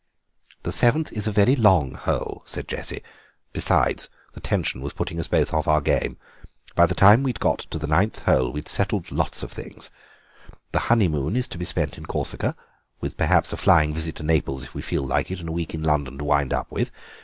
"The seventh is a very long hole," said Jessie; "besides, the tension was putting us both off our game. By the time we'd got to the ninth hole we'd settled lots of things. The honeymoon is to be spent in Corsica, with perhaps a flying visit to Naples if we feel like it, and a week in London to wind up with.